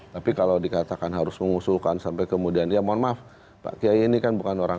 tapi kalau dikatakan harus mengusulkan sampai kemudian ya mohon maaf pak kiai ini kan bukan orang